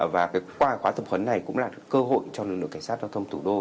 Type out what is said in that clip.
và qua khóa tập huấn này cũng là cơ hội cho lực lượng cảnh sát giao thông thủ đô